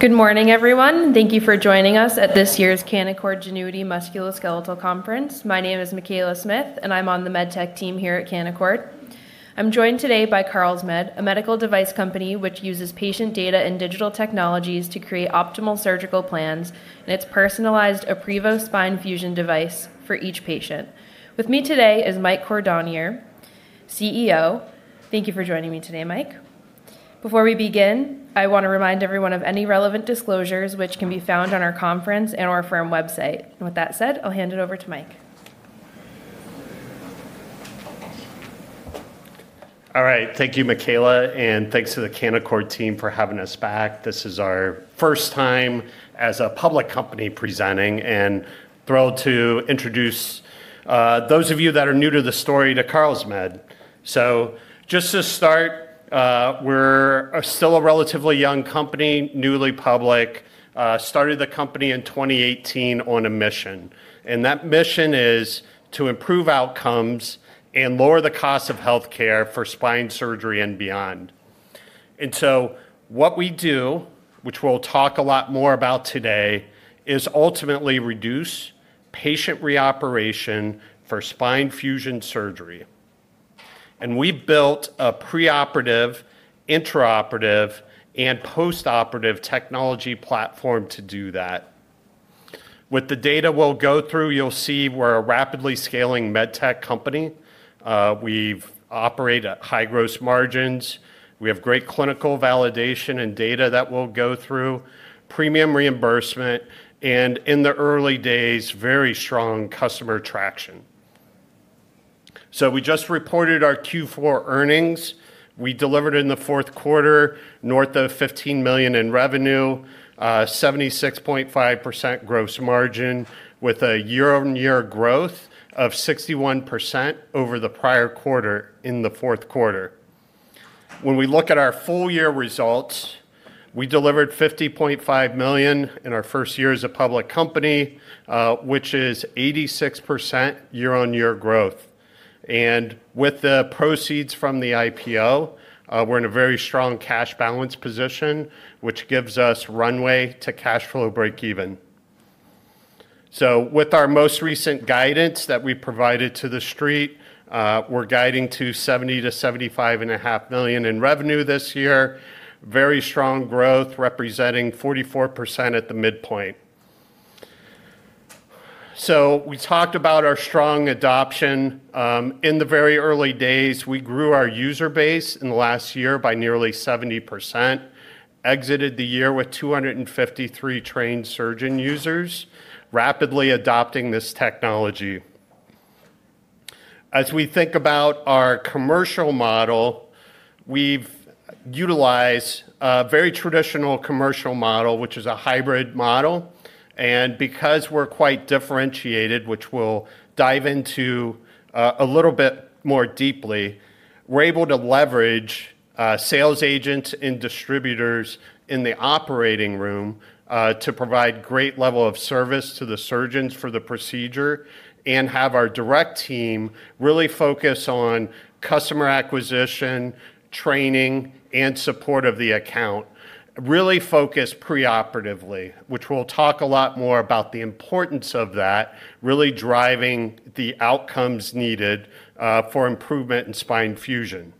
Good morning, everyone. Thank you for joining us at this year's Canaccord Genuity Musculoskeletal Conference. My name is Michaela Smith, and I'm on the MedTech team here at Canaccord Genuity. I'm joined today by Carlsmed, a medical device company which uses patient data and digital technologies to create optimal surgical plans and its personalized aprevo spine fusion device for each patient. With me today is Mike Cordonnier, CEO. Thank you for joining me today, Mike. Before we begin, I want to remind everyone of any relevant disclosures which can be found on our conference and our firm website. With that said, I'll hand it over to Mike. All right. Thank you, Michaela, thanks to the Canaccord team for having us back. This is our first time as a public company presenting, thrilled to introduce those of you that are new to the story to Carlsmed. Just to start, we're still a relatively young company, newly public. Started the company in 2018 on a mission, that mission is to improve outcomes and lower the cost of healthcare for spine surgery and beyond. What we do, which we'll talk a lot more about today, is ultimately reduce patient reoperation for spine fusion surgery. We built a preoperative, intraoperative, and postoperative technology platform to do that. With the data we'll go through, you'll see we're a rapidly scaling MedTech company. We've operate at high gross margins. We have great clinical validation and data that we'll go through, premium reimbursement, and in the early days, very strong customer traction. We just reported our Q4 earnings. We delivered in the Q4 north of $15 million in revenue, 76.5% gross margin with a year-on-year growth of 61% over the prior quarter in the Q4. When we look at our full-year results, we delivered $50.5 million in our first year as a public company, which is 86% year-on-year growth. With the proceeds from the IPO, we're in a very strong cash balance position, which gives us runway to cash flow break even. With our most recent guidance that we provided to the street, we're guiding to $70 million to $75.5 million in revenue this year. Very strong growth representing 44% at the midpoint. We talked about our strong adoption. In the very early days, we grew our user base in the last year by nearly 70%, exited the year with 253 trained surgeon users rapidly adopting this technology. As we think about our commercial model, we've utilized a very traditional commercial model, which is a hybrid model. Because we're quite differentiated, which we'll dive into, a little bit more deeply, we're able to leverage sales agents and distributors in the operating room to provide great level of service to the surgeons for the procedure and have our direct team really focus on customer acquisition, training, and support of the account, really focus preoperatively, which we'll talk a lot more about the importance of that really driving the outcomes needed for improvement in spine fusion.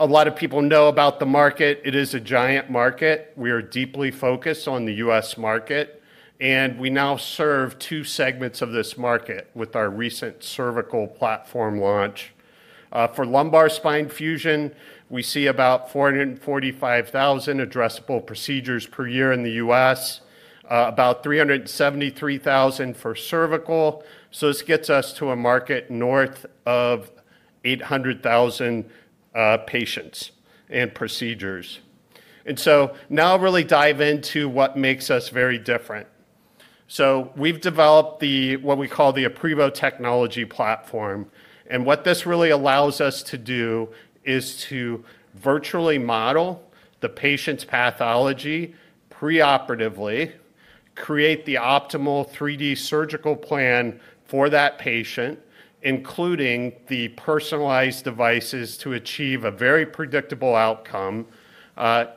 A lot of people know about the market. It is a giant market. We are deeply focused on the U.S. market, and we now serve two segments of this market with our recent cervical platform launch. For lumbar spine fusion, we see about 445,000 addressable procedures per year in the U.S., about 373,000 for cervical. This gets us to a market north of 800,000 patients and procedures. Now I'll really dive into what makes us very different. We've developed what we call the aprevo® Technology Platform, and what this really allows us to do is to virtually model the patient's pathology preoperatively, create the optimal, patient-specific 3D surgical plan for that patient, including the personalized devices to achieve a very predictable outcome,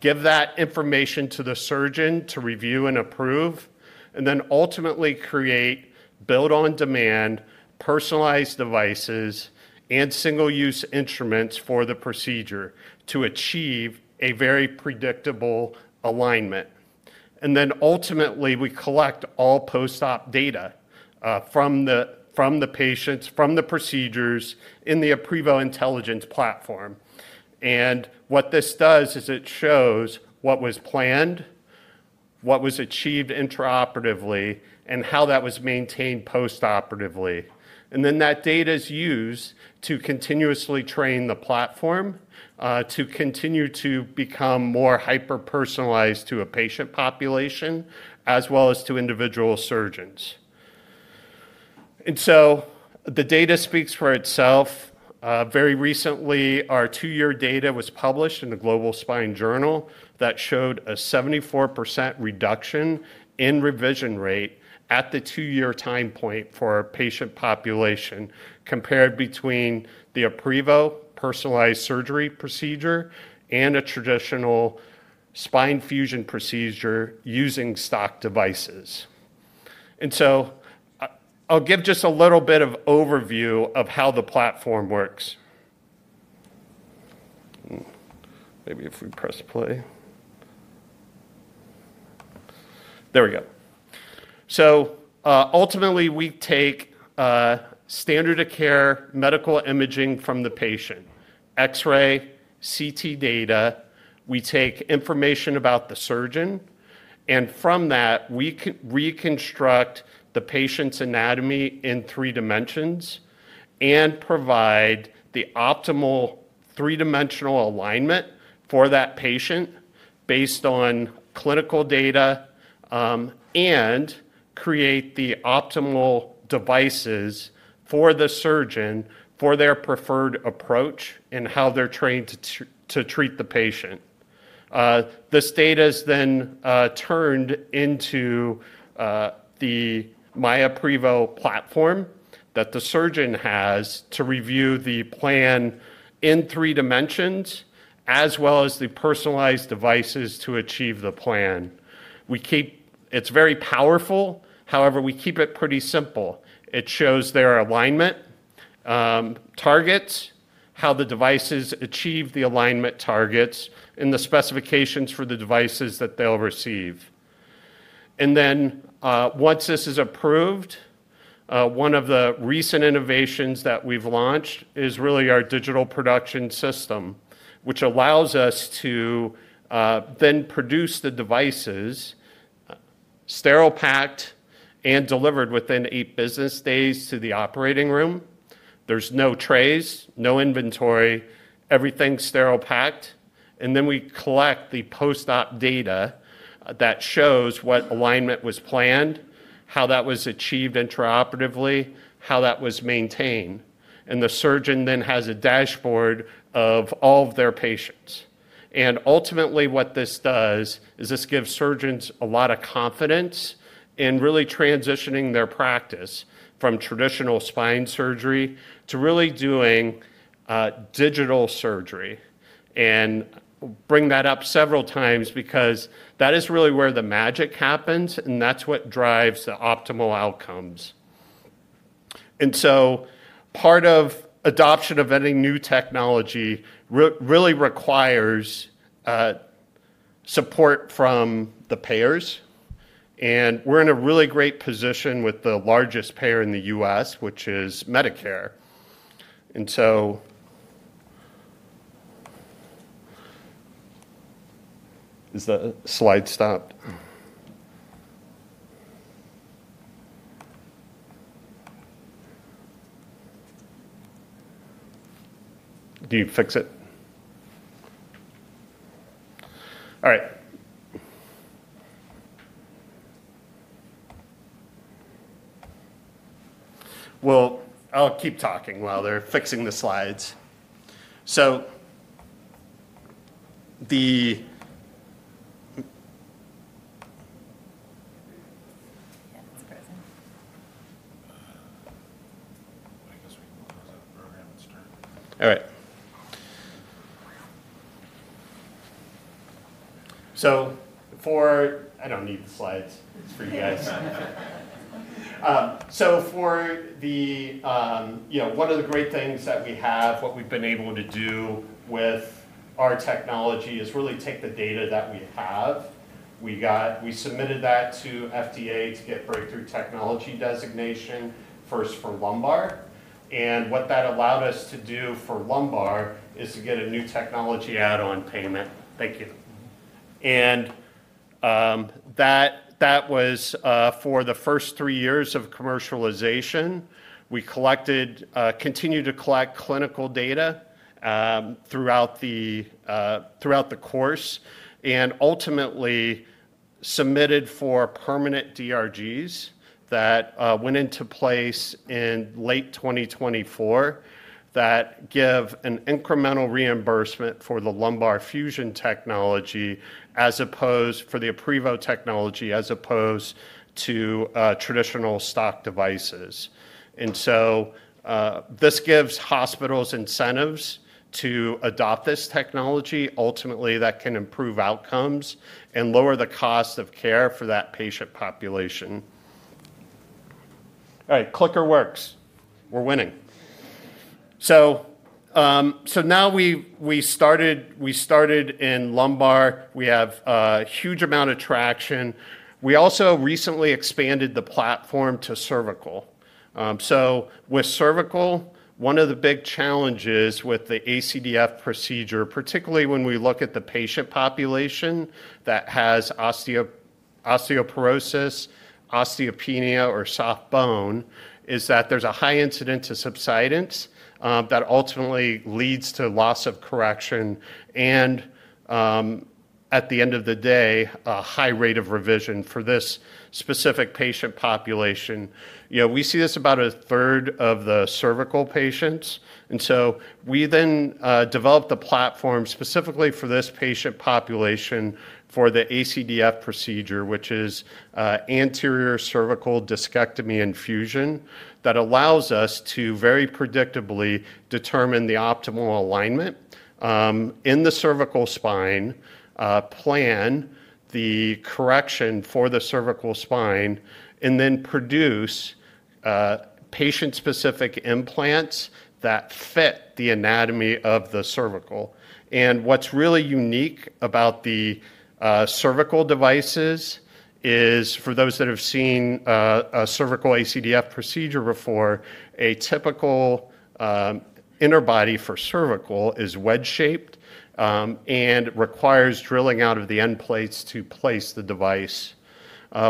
give that information to the surgeon to review and approve, and then ultimately create build-on-demand personalized devices and single-use instruments for the procedure to achieve a very predictable alignment. Ultimately, we collect all post-op data from the patients, from the procedures in the aprevo® Intelligence Platform. What this does is it shows what was planned, what was achieved intraoperatively, and how that was maintained postoperatively. That data is used to continuously train the platform, to continue to become more hyper-personalized to a patient population as well as to individual surgeons. The data speaks for itself. Very recently, our two-year data was published in the Global Spine Journal. That showed a 74% reduction in revision rate at the two-year time point for our patient population compared between the aprevo personalized surgery procedure and a traditional spine fusion procedure using stock devices. I'll give just a little bit of overview of how the platform works. Maybe if we press play. There we go. Ultimately, we take standard of care medical imaging from the patient, X-ray and CT scan data. We take information about the surgeon, from that, we reconstruct the patient's anatomy in three dimensions and provide the optimal three-dimensional alignment for that patient based on clinical data, and create the optimal devices for the surgeon for their preferred approach and how they're trained to treat the patient. This data is then turned into the myaprevo® platform that the surgeon has to review the plan in three dimensions as well as the personalized devices to achieve the plan. It's very powerful. However, we keep it pretty simple. It shows their alignment targets, how the devices achieve the alignment targets, and the specifications for the devices that they'll receive. Then, once this is approved, one of the recent innovations that we've launched is really our digital production system, which allows us to then produce the devices, sterile packed, and delivered within eight business days to the operating room. There's no trays, no inventory, everything's sterile packed. Then we collect the post-op data that shows what alignment was planned, how that was achieved intraoperatively, how that was maintained. The surgeon then has a dashboard of all of their patients. Ultimately, what this does is this gives surgeons a lot of confidence in really transitioning their practice from traditional spine surgery to really doing digital surgery. Bring that up several times because that is really where the magic happens, and that's what drives the optimal outcomes. Part of adoption of any new technology really requires support from the payers, and we're in a really great position with the largest payer in the U.S., which is Medicare. Is the slide stopped? Did you fix it? All right. Well, I'll keep talking while they're fixing the slides. Yeah, it's frozen. I guess we can close that program and start again. All right. I don't need the slides. It's for you guys. You know, one of the great things that we have, what we've been able to do with our technology is really take the data that we have. We submitted that to FDA to get Breakthrough Device Designation first for lumbar spine procedures. What that allowed us to do for lumbar is to get a New Technology Add-on Payment. Thank you. That was for the first three years of commercialization. We collected, continued to collect clinical data throughout the course, and ultimately submitted for permanent DRGs that went into place in late 2024 that give an incremental reimbursement for the lumbar fusion technology, for the aprevo technology as opposed to traditional stock devices. This gives hospitals incentives to adopt this technology. Ultimately, that can improve outcomes and lower the cost of care for that patient population. All right, clicker works. We're winning. Now we started in lumbar. We have a huge amount of traction. We also recently expanded the platform to cervical. With cervical, one of the big challenges with the ACDF procedure, particularly when we look at the patient population that has osteoporosis, osteopenia, or soft bone, is that there's a high incidence of subsidence that ultimately leads to loss of correction and at the end of the day, a high rate of revision for this specific patient population. You know, we see this about one-third of the cervical patients. We then developed a platform specifically for this patient population for the ACDF procedure, which is anterior cervical discectomy and fusion that allows us to very predictably determine the optimal alignment in the cervical spine, plan the correction for the cervical spine, and then produce patient-specific implants that fit the anatomy of the cervical. What's really unique about the cervical devices is for those that have seen a cervical ACDF procedure before, a typical interbody for cervical is wedge-shaped and requires drilling out of the end plates to place the device.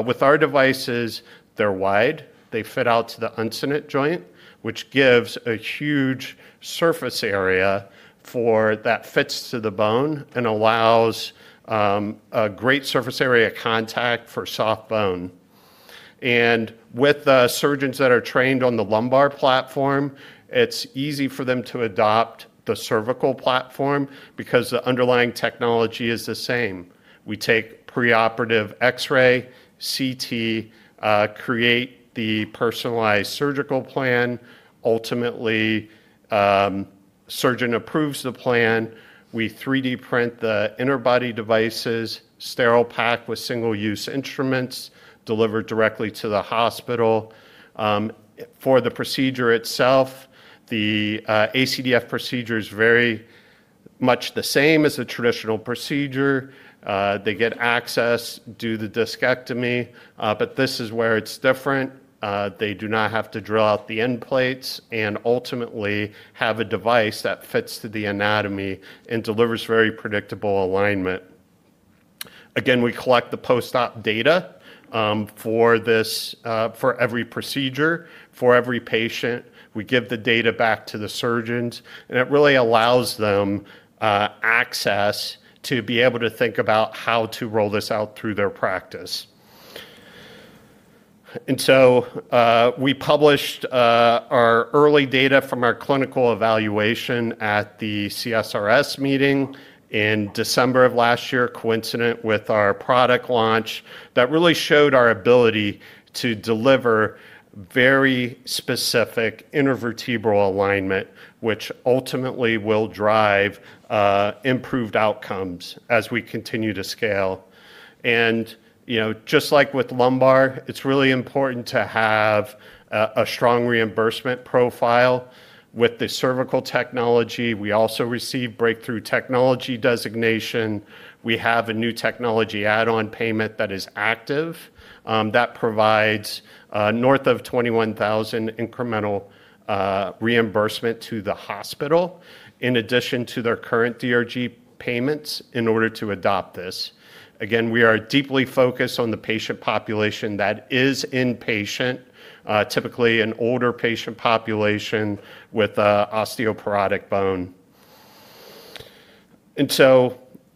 With our devices, they're wide, they fit out to the uncinate joint, which gives a huge surface area for that fits to the bone and allows a great surface area contact for soft bone. With the surgeons that are trained on the lumbar platform, it's easy for them to adopt the cervical platform because the underlying technology is the same. We take preoperative X-ray, CT imaging, create the personalized surgical plan. Ultimately, surgeon approves the plan. We 3D-print the interbody devices, sterile pack with single-use instruments delivered directly to the hospital. For the procedure itself, the ACDF procedure is very much the same as the traditional procedure. They get access, do the discectomy, this is where it's different. They do not have to drill out the end plates and ultimately have a device that fits to the anatomy and delivers very predictable alignment. Again, we collect the post-op data for this, for every procedure, for every patient. We give the data back to the surgeons, and it really allows them access to be able to think about how to roll this out through their practice. We published our early data from our clinical evaluation at the CSRS meeting in December of last year, coincident with our product launch, that really showed our ability to deliver very specific intervertebral alignment, which ultimately will drive improved outcomes as we continue to scale. You know, just like with lumbar, it's really important to have a strong reimbursement profile. With the cervical technology, we also receive Breakthrough Device Designation. We have a New Technology Add-on Payment that is active, that provides north of $21,000 incremental reimbursement to the hospital in addition to their current DRG payments in order to adopt this. Again, we are deeply focused on the patient population that is inpatient, typically an older patient population with osteoporotic bone.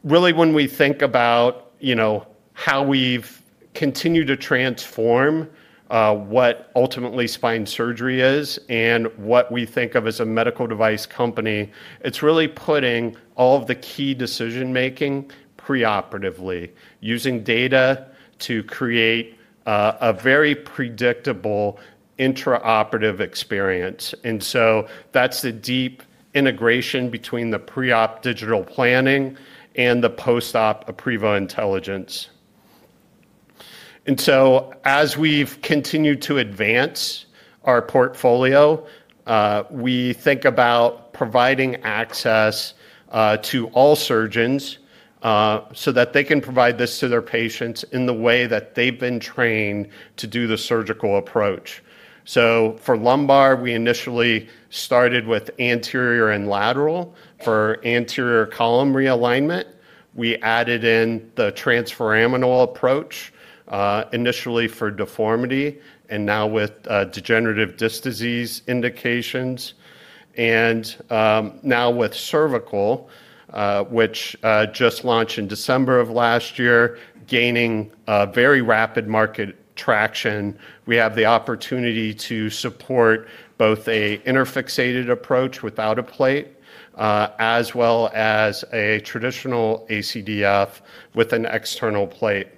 Really when we think about, you know, how we've continued to transform what ultimately spine surgery is and what we think of as a medical device company, it's really putting all of the key decision-making preoperatively using data to create a very predictable intraoperative experience. That's the deep integration between the pre-op digital planning and the post-op aprevo® Intelligence platform. As we've continued to advance our portfolio, we think about providing access to all surgeons, so that they can provide this to their patients in the way that they've been trained to do the surgical approach. For lumbar, we initially started with anterior and lateral. For Anterior Column Realignment, we added in the transforaminal approach, initially for deformity and now with degenerative disc disease indications. Now with cervical, which just launched in December of last year, gaining very rapid market traction, we have the opportunity to support both a inner fixated approach without a plate, as well as a traditional ACDF procedure using external plate.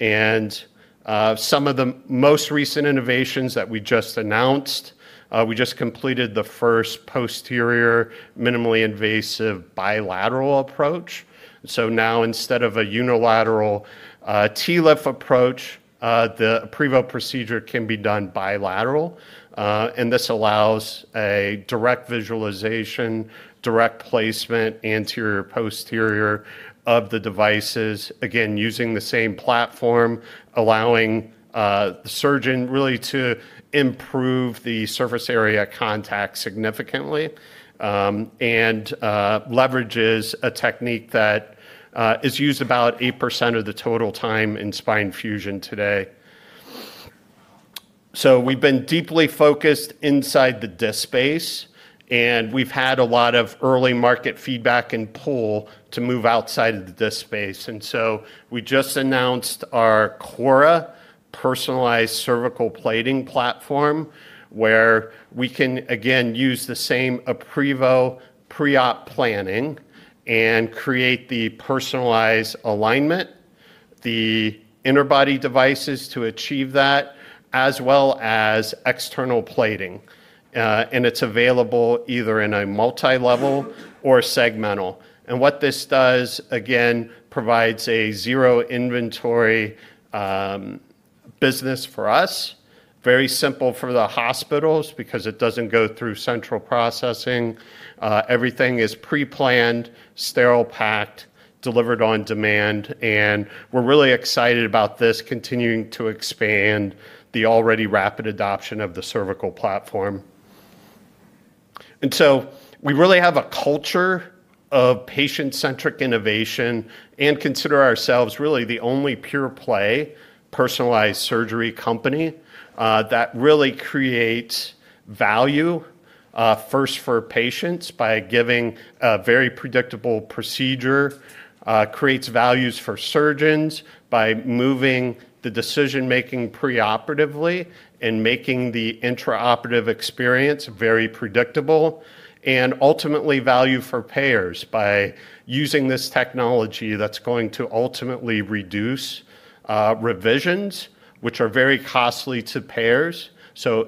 Some of the most recent innovations that we just announced, we just completed the first posterior minimally invasive bilateral approach. Now instead of a unilateral TLIF approach, the aprevo procedure can be done bilateral, and this allows a direct visualization, direct placement, anterior, posterior of the devices, again, using the same platform, allowing the surgeon really to improve the surface area contact significantly, and leverages a technique that is used about 8% of the total time in spine fusion today. We've been deeply focused inside the disc space, and we've had a lot of early market feedback and pull to move outside of the disc space. We just announced our CORRA personalized cervical plating platform, where we can, again, use the same aprevo pre-op planning and create the personalized alignment, the interbody devices to achieve that, as well as external plating. It's available either in a multi-level or segmental. What this does, again, provides a zero inventory business for us. Very simple for the hospitals because it doesn't go through central processing. Everything is pre-planned, sterile packed, delivered on demand. We're really excited about this continuing to expand the already rapid adoption of the cervical platform. We really have a culture of patient-centric innovation and consider ourselves really the only pure play personalized surgery company, that really creates value, first for patients by giving a very predictable procedure, creates values for surgeons by moving the decision-making preoperatively and making the intraoperative experience very predictable and ultimately value for payers by using this technology that's going to ultimately reduce revisions, which are very costly to payers.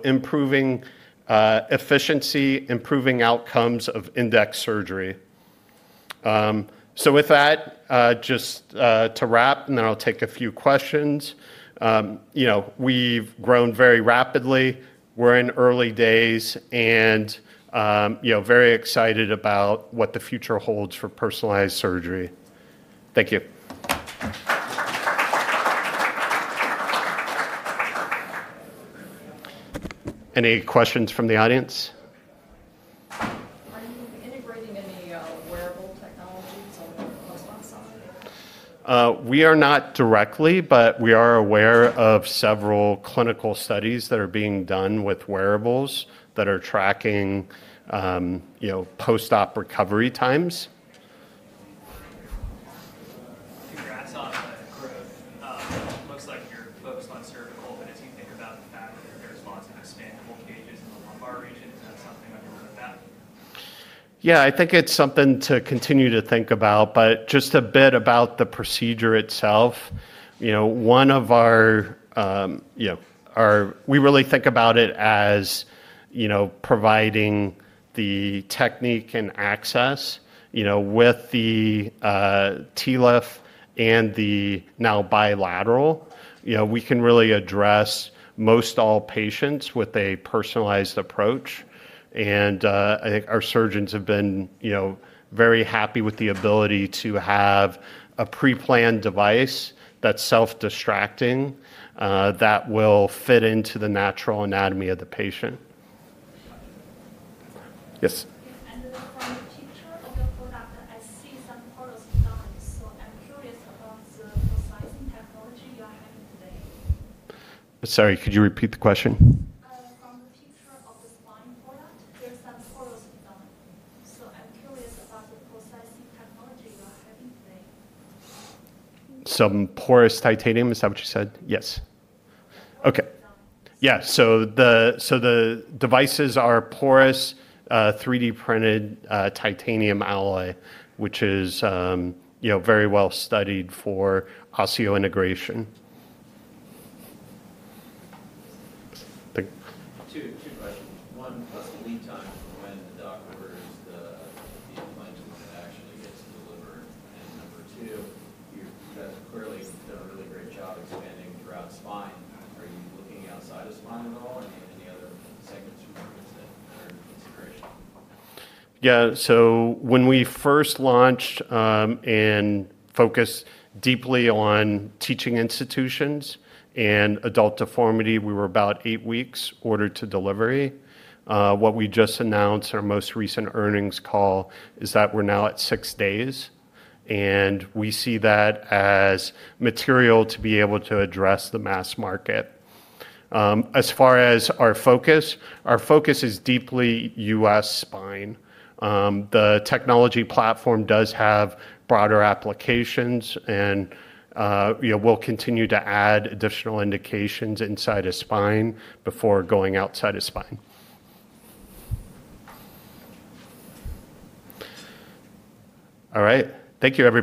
Improving efficiency, improving outcomes of index surgery. With that, just to wrap, and then I'll take a few questions. You know, we've grown very rapidly. We're in early days and, you know, very excited about what the future holds for personalized surgery. Thank you. Any questions from the audience? Are you integrating any wearable technology on the post-op side? We are not directly, but we are aware of several clinical studies that are being done with wearables that are tracking, you know, post-op recovery times. Congrats on the growth. Looks like you're focused on cervical, but as you think about the fact that there's lots of expandable cages in the lumbar region, is that something that you're worried about? I think it's something to continue to think about, just a bit about the procedure itself. You know, one of our, We really think about it as, you know, providing the technique and access, you know, with the TLIF and the now bilateral. You know, we can really address most all patients with a personalized approach, and I think our surgeons have been, you know, very happy with the ability to have a preplanned device that's self-distracting, that will fit into the natural anatomy of the patient. Yes. Yes. From the picture of your product, I see some porous titanium. I'm curious about the processing technology you are having today. Sorry, could you repeat the question? From the picture of the spine product, there's some porous titanium. I'm curious about the processing technology you are having today. Some porous titanium. Is that what you said? Yes. Okay. Yeah. The devices are porous, 3D printed, titanium alloy, which is very well studied for osseointegration. Thank you. Two questions. one, what's the lead time from when the doc orders the implant until it actually gets delivered? Number two, you guys have clearly done a really great job expanding throughout spine. Are you looking outside of spine at all? Are there any other segments you're interested or in consideration? When we first launched, and focused deeply on teaching institutions and adult deformity, we were about eight weeks order to delivery. What we just announced, our most recent earnings call, is that we're now at six days, and we see that as material to be able to address the mass market. As far as our focus, our focus is deeply U.S. spine. The technology platform does have broader applications and, you know, we'll continue to add additional indications inside of spine before going outside of spine. All right. Thank you, everyone.